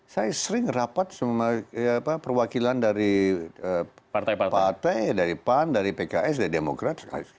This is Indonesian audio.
saya sering rapat sama perwakilan dari partai dari pan dari pks dari demokrat